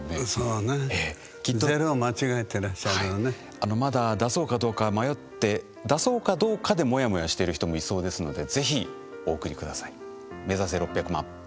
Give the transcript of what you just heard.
あのまだ出そうかどうか迷って出そうかどうかでモヤモヤしている人もいそうですのでぜひお送りください。